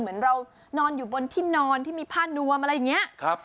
เหมือนเรานอนอยู่บนที่นอนที่มีผ้านวมอะไรอย่างนี้